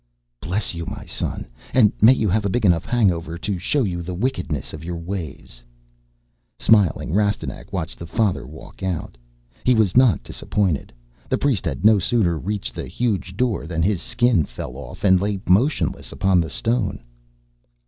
"Bless you, my son, and may you have a big enough hangover to show you the wickedness of your ways." Smiling, Rastignac watched the Father walk out. He was not disappointed. The priest had no sooner reached the huge door than his Skin fell off and lay motionless upon the stone.